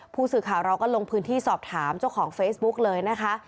ผู้สื่อข่าวเราก็ลงพื้นที่สอบถามเจ้าของเฟซบุ๊กเลยนะคะ